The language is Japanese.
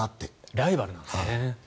ライバルなんですね。